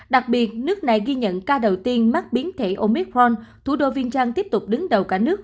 đặc biệt nước này ghi nhận ca đầu tiên mắc biến thể omitron thủ đô viên trăn tiếp tục đứng đầu cả nước